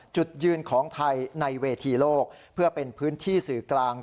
จุดยืนของไทยในเวทีโลกเพื่อเป็นพื้นที่สื่อกลาง